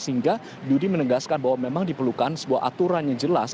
sehingga dudi menegaskan bahwa memang diperlukan sebuah aturan yang jelas